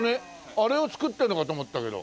あれを作ってるのかと思ったけど。